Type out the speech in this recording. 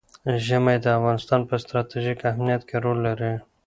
ژمی د افغانستان په ستراتیژیک اهمیت کې رول لري.